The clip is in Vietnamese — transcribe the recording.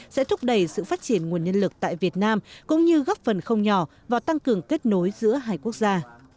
sẽ thúc đẩy sự phát triển nguồn nhân lực tại việt nam cũng như góp phần không nhỏ vào tăng cường kết nối giữa hai quốc gia